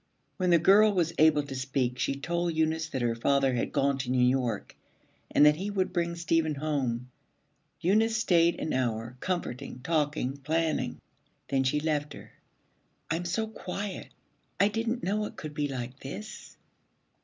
When the girl was able to speak, she told Eunice that her father had gone to New York, and that he would bring Stephen home. Eunice stayed an hour, comforting, talking, planning. Then she left her. 'I'm so quiet. I didn't know it could be like this.'